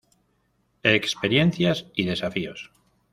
Experiencias y desafíos.